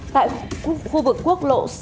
tại khu vực quốc lộ sáu